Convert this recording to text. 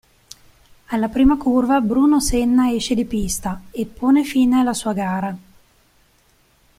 Alla prima curva Bruno Senna esce di pista e pone fine alla sua gara.